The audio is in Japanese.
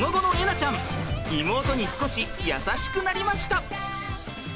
菜ちゃん妹に少し優しくなりました！